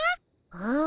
うん。